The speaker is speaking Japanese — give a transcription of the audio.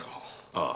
ああ。